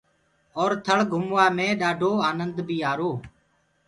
اور ٿݪ گھموا مي ڏآڍو آنند بيٚ آرو۔